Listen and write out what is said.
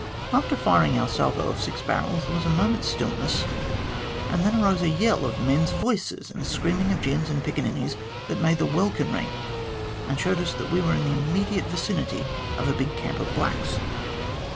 After firing our salvo of six barrels, there was a moment's stillness, and then arose a yell of men's voices and a screaming of gins and piccaninies that made the welkin ring, and showed us that we were in the immediate vicinity of a big camp of blacks.